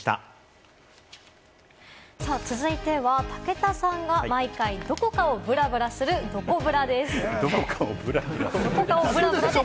続いては武田さんが毎回どこかをブラブラする、どこブラです。